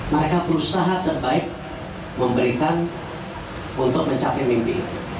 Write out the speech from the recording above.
mereka berusaha terbaik memberikan untuk mencapai mimpi